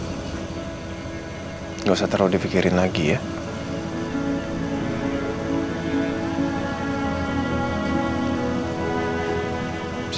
saya akan berusaha untuk memperbaiki kemungkinan untuk menggunakan anak ini